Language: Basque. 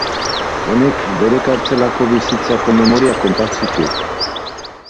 Honek bere kartzelako bizitzako memoriak kontatzen ditu.